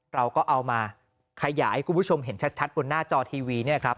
เราก็เอามาขยายให้คุณผู้ชมเห็นชัดบนหน้าจอทีวีเนี่ยครับ